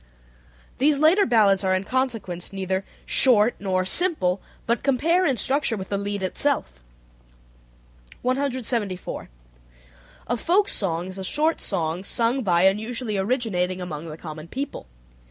These later ballads are in consequence neither "short" nor "simple" but compare in structure with the lied itself. 174. A folk song is a short song sung by and usually originating among the common people.